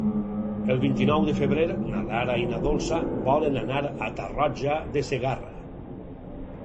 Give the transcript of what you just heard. El vint-i-nou de febrer na Lara i na Dolça volen anar a Tarroja de Segarra.